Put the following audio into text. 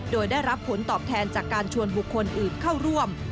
โดยได้รับผลตอบแทนจากการชวนบุคคลอื่นเข้าร่วม